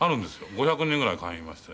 ５００人ぐらい会員いまして。